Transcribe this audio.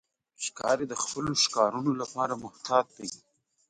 ښکاري د خپلو ښکارونو لپاره محتاط دی.